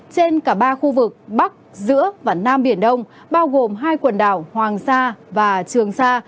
trên cả ba khu vực bắc giữa và nam biển đông bao gồm hai quần đảo hoàng sa và trường sa